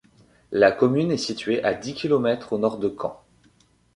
La commune est située à dix kilomètres au nord de Caen.